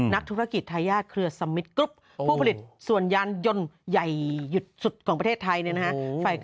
นักธุรกิจทายาทเครือสมิตรกรุ๊ปผู้ผลิตส่วนยานยนต์ใหญ่หยุดสุดของประเทศไทยเนี่ยนะฮะ